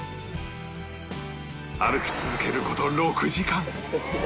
歩き続ける事６時間